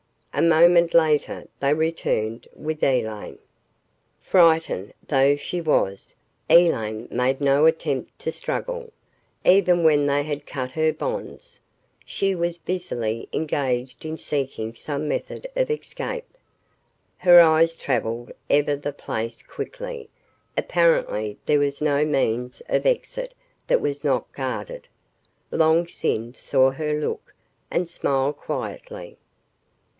A moment later they returned with Elaine. Frightened though she was, Elaine made no attempt to struggle, even when they had cut her bonds. She was busily engaged in seeking some method of escape. Her eyes travelled ever the place quickly. Apparently, there was no means of exit that was not guarded. Long Sin saw her look, and smiled quietly.